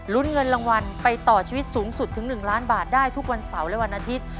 เงินรางวัลไปต่อชีวิตสูงสุดถึง๑ล้านบาทได้ทุกวันเสาร์และวันอาทิตย์